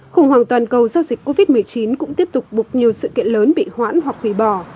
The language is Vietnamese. khủng hoảng toàn cầu do dịch covid một mươi chín cũng tiếp tục buộc nhiều sự kiện lớn bị hoãn hoặc hủy bỏ